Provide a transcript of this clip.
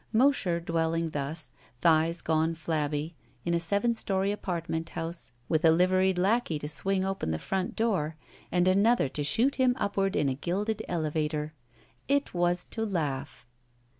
Mosher dwel ling thus, thighs gone flabby, in a seven story apart ment house with a liveried lackey to swing open the front door and anotiier to shoot him upward in a gilded elevator. 228 ROULETTE It was to laugh